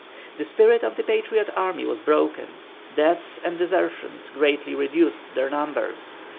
The spirit of the Patriot army was broken, deaths and desertions greatly reduced their numbers.